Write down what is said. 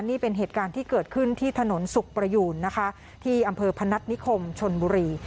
นี่เป็นเหตุการณ์ที่เกิดขึ้นที่ถนนสุขประยูนนะคะที่อำเภอพนัฐนิคมชนบุรี